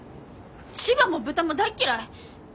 千葉も豚も大っ嫌い。